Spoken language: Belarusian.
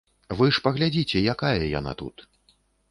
Вы ж паглядзіце, якая яна тут.